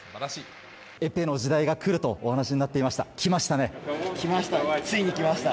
エペの時代が来るとお話になっていました。